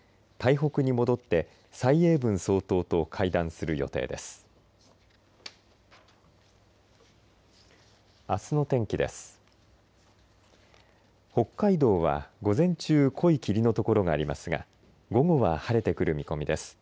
北海道は午前中濃い霧のところがありますが午後は晴れてくる見込みです。